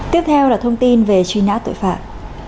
tiếp theo là thông tin về truy nã tội phạm